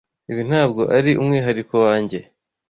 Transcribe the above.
Ibi ntabwo ari umwihariko wanjye.